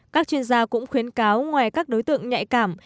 các chuyên gia cũng khuyến cáo ngoài các đối tượng nhạy cảm